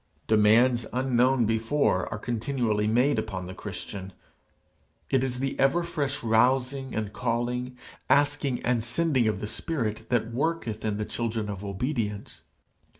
Demands unknown before are continually being made upon the Christian: it is the ever fresh rousing and calling, asking and sending of the Spirit that worketh in the children of obedience.